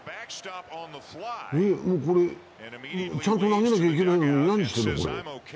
これ、ちゃんと投げなきゃいけないのに何してるの。